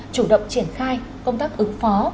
chủ động triển khai công tác ứng phó